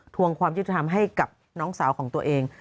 วงความยุติธรรมให้กับน้องสาวของตัวเอง